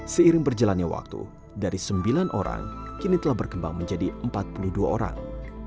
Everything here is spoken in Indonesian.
seiring berjalannya waktu dari sembilan orang kini telah berkembang menjadi empat puluh dua orang